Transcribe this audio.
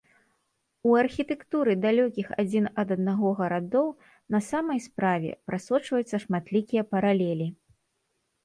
У архітэктуры далёкіх адзін ад аднаго гарадоў на самай справе прасочваюцца шматлікія паралелі.